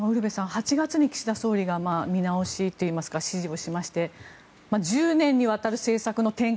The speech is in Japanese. ウルヴェさん８月に岸田総理が見直しの指示をしまして１０年にわたる政策の転換